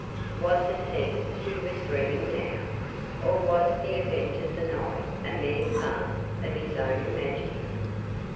Was it he who was dreaming now, or was the event of the night a mere farce of his own imagining?